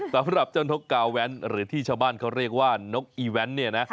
สำหรับนกง้าเว้นท์หรือที่ชาวบ้านเขาเรียกว่านกอีวันท์